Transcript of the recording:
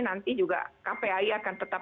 nanti juga kpai akan tetap